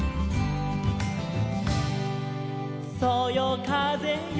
「そよかぜよ